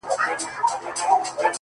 o هر څه منم پر شخصيت باندي تېرى نه منم؛